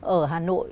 ở hà nội